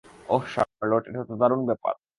ওহ, Charlotte, এটা তো দারুণ ব্যাপার।